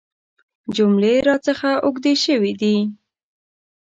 جملې راڅخه اوږدې شوي دي .